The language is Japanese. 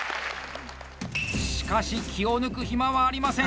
しかし気を抜く暇はありません。